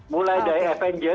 mulai dari avengers